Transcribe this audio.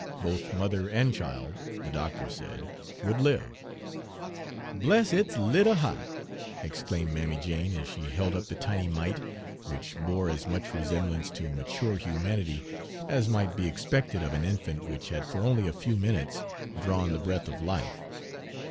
Both mother and child, the doctor said, would live. "Bless its 'ittle hea't!" exclaimed Mammy Jane, as she held up the tiny mite, which bore as much resemblance to mature humanity as might be expected of an infant which had for only a few minutes drawn the breath of life.